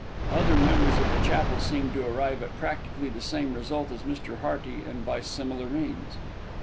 Other members of the chapel seemed to arrive at practically the same result as Mr. Hearty, and by similar means.